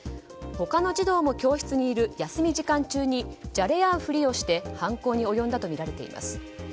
他の児童も教室にいる休み時間中にじゃれ合うふりをして犯行に及んだとみられています。